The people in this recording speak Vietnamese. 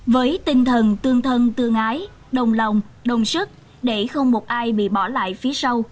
với tinh thần tương thân tương ái đồng lòng đồng sức để không một ai bị bỏ lại phía sau